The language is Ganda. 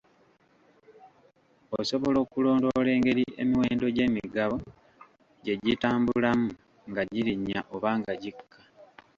Osobola okulondoola engeri emiwendo gy'emigabo gye gitambulamu nga girinnya oba nga gikka.